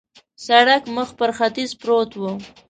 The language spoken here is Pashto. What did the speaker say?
سړک مخ پر ختیځ پروت و.